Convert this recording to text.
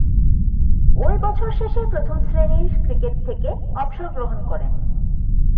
ঐ বছর শেষে প্রথম-শ্রেণীর ক্রিকেট থেকে অবসর গ্রহণ করেন।